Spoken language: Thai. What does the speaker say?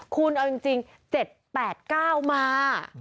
คุณเอาจริง๗๘๙มา